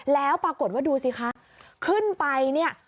แล้วปรากฏว่าดูสิคะขึ้นไปเนี่ย